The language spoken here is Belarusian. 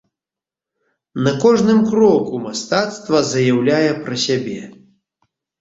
На кожным кроку мастацтва заяўляе пра сябе.